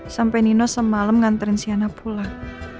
sampai nino semalam nganterin siana pulang